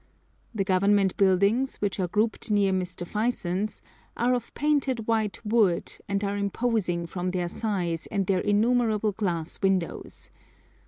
The Government Buildings, which are grouped near Mr. Fyson's, are of painted white wood, and are imposing from their size and their innumerable glass windows.